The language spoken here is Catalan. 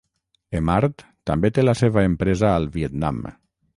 Emart també té la seva empresa al Vietnam.